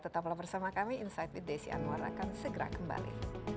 tetaplah bersama kami insight with desi anwar akan segera kembali